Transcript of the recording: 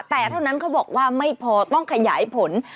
แต่เท่านั้นเขาบอกว่าไม่พอต้องขยายผล